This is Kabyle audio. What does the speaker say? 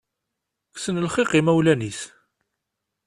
Kksen lxiq imawlan-is.